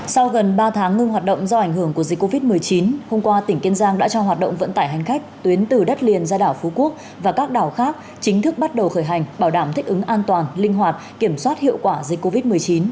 sau gần ba tháng ngưng hoạt động do ảnh hưởng của dịch covid một mươi chín hôm qua tỉnh kiên giang đã cho hoạt động vận tải hành khách tuyến từ đất liền ra đảo phú quốc và các đảo khác chính thức bắt đầu khởi hành bảo đảm thích ứng an toàn linh hoạt kiểm soát hiệu quả dịch covid một mươi chín